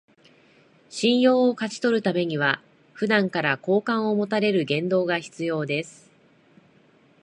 信用を勝ち取るためには、普段から好感を持たれる言動が必要です